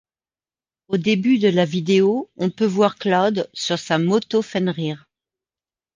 Au début de la vidéo, on peut voir Cloud sur sa moto Fenrir.